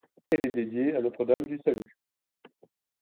Elle est dédiée à Notre-Dame du Salut.